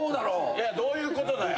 いやどういうことだよ。